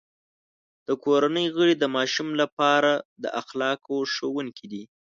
د کورنۍ غړي د ماشوم لپاره د اخلاقو ښوونکي دي.